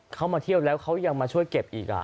เขามาเที่ยวแล้วเขายังมาช่วยเก็บอีก